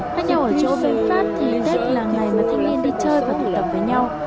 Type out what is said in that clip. khác nhau ở chỗ về pháp thì tết là ngày mà thanh niên đi chơi và tụ tập với nhau